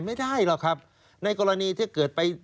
ไม่ได้หรอกครับในกรณีที่เกิดไป